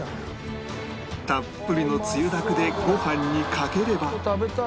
たっぷりのつゆだくでご飯にかければ